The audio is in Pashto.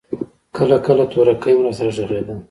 کله کله تورکى هم راسره ږغېده.